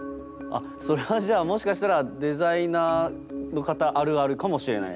それはじゃあもしかしたらデザイナーの方あるあるかもしれない？